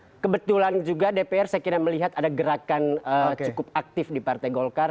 dan kebetulan juga dpr saya kira melihat ada gerakan cukup aktif di partai golkar